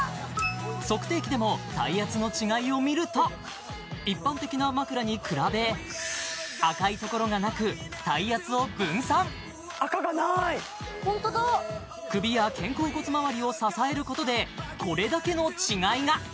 測定器でも体圧の違いを見ると一般的な枕に比べ赤いところがなく体圧を分散赤がないホントだ首や肩甲骨周りを支えることでこれだけの違いが！